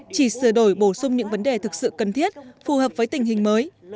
chỉ sửa đổi bổ sung những vấn đề thực sự cần thiết phù hợp với tình hình mới